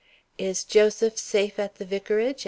"Is Joseph safe at the vicarage?"